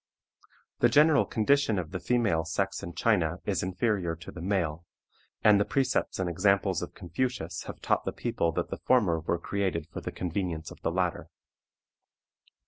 The general condition of the female sex in China is inferior to the male, and the precepts and examples of Confucius have taught the people that the former were created for the convenience of the latter.